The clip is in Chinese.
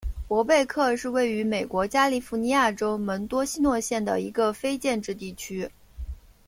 伯贝克是位于美国加利福尼亚州门多西诺县的一个非建制地区。